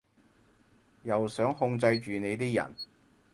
又想控制住你啲人